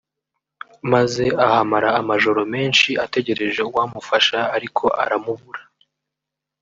maze ahamara amajoro menshi ategereje uwamufasha ariko aramubura